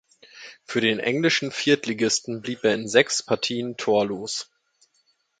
Für den englischen Viertligisten blieb er in sechs Partien Torlos.